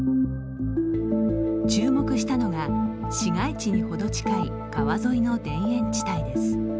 注目したのが市街地にほど近い川沿いの田園地帯です。